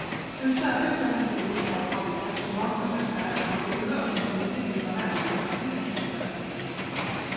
En särskild kategori av arbetskraftsinvandrare är entreprenörer som vill bedriva näringsverksamhet i Sverige.